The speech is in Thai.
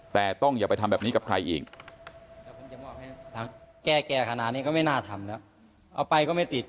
แต่ต้องอย่าไปทำแบบนี้กับใครอีก